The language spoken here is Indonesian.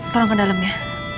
tolong ke dalam ya